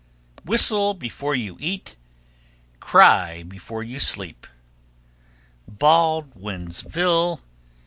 1339. Whistle before you eat, Cry before you sleep. _Baldwinsville, N.